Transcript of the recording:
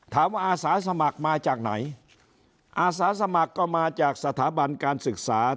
อาสาสมัครมาจากไหนอาสาสมัครก็มาจากสถาบันการศึกษา